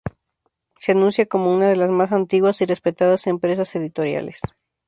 Se anuncia como una de las más antiguas y respetadas empresas editoriales.